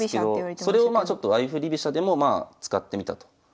それをまあ相振り飛車でも使ってみたと。